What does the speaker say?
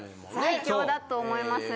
最強だと思います。